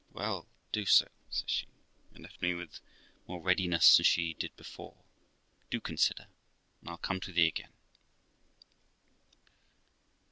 'Well, do so', says she, and left me with more readiness than she did before. 'Do consider, and I'll come to thee again.'